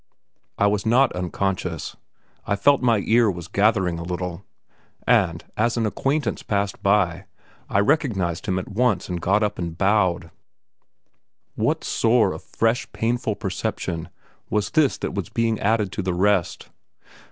I was not unconscious; I felt that my ear was gathering a little, and, as an acquaintance passed by, I recognized him at once and got up and bowed. What sore of fresh, painful perception was this that was being added to the rest?